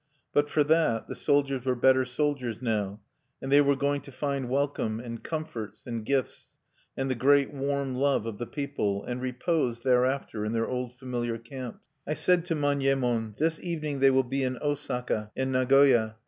But, for that, the soldiers were better soldiers now; and they were going to find welcome, and comforts, and gifts, and the great warm love of the people, and repose thereafter, in their old familiar camps. I said to Manyemon: "This evening they will be in Osaka and Nagoya.